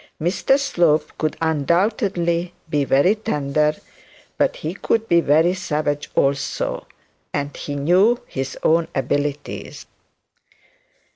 Mr Slope could undoubtedly be very tender, but he could be very savage also, and he knew his own abilities.